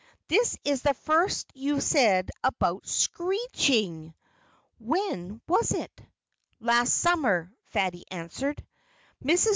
"This is the first you've said about SCREECHING. When was it?" "Last summer," Fatty answered. Mrs.